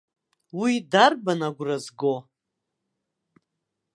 Уи дарбан агәра зго?